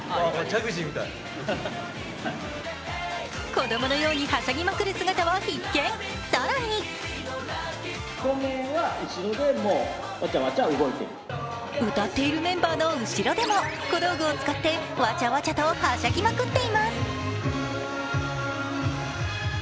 子供のようにはしゃぎまくるシーンは必見、更に歌っているメンバーの後ろでも小道具を使ってわちゃわちゃとはしゃぎまくっています。